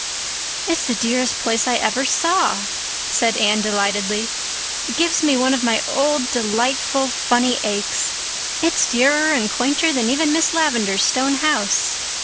"It's the dearest place I ever saw," said Anne delightedly. "It gives me one of my old, delightful funny aches. It's dearer and quainter than even Miss Lavendar's stone house."